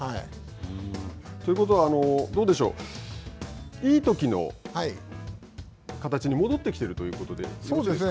ということは、どうでしょういいときの形に戻ってきているそうですね。